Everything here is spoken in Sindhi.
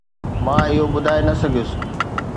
مان اهو ٻڌائي نه سگهيس